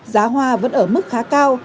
giá hoa vẫn ở mức khá cao